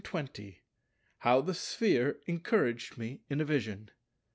§ 20 How the Sphere encouraged me in a Vision.